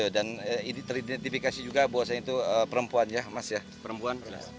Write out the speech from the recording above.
dan ini teridentifikasi juga bahwa itu perempuan ya mas ya